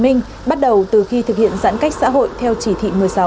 tại tp hcm bắt đầu từ khi thực hiện giãn cách xã hội theo chỉ thị một mươi sáu